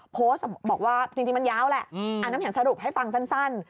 โพสต์บอกว่าจริงมันยาวแหละน้ำแข็งสรุปให้ฟังสั้น